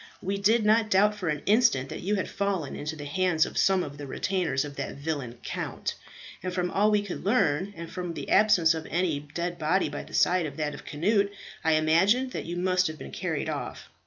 We did not doubt for an instant that you had fallen into the hands of some of the retainers of that villain Count; and from all we could learn, and from the absence of any dead body by the side of that of Cnut, I imagined that you must have been carried off.